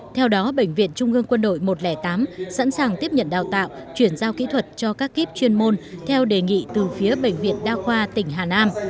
theo đó bệnh viện trung ương quân đội một trăm linh tám sẵn sàng tiếp nhận đào tạo chuyển giao kỹ thuật cho các kíp chuyên môn theo đề nghị từ phía bệnh viện đa khoa tỉnh hà nam